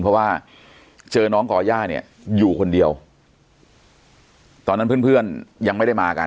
เพราะว่าเจอน้องก่อย่าเนี่ยอยู่คนเดียวตอนนั้นเพื่อนเพื่อนยังไม่ได้มากัน